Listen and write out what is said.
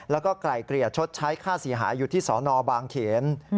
แล้วก็ไกลเกลี่ยชดใช้ค่าเสียหายอยู่ที่สนบางเขน